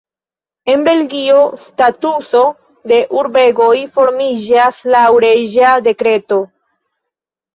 En Belgio statuso de urbegoj formiĝas laŭ reĝa dekreto.